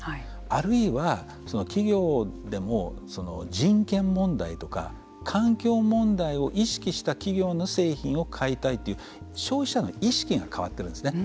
あるいは企業でも人権問題とか環境問題を意識した企業の製品を買いたいという消費者の意識が変わっているんですね。